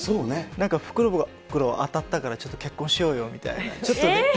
なんか福袋当たったからちょっと結婚しようよみたいな。